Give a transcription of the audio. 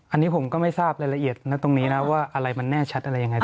อันนี้ผมก็ไม่ทราบรายละเอียดนะตรงนี้นะว่าอะไรมันแน่ชัดอะไรยังไง